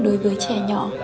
đối với trẻ nhỏ